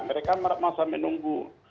mereka masa menunggu